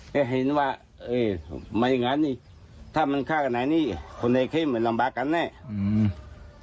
แกเห็นว่าไม่อย่างนั้นถ้ามันข้ากานานนี้คนแห่งใครมันลำบากกันเนี่ย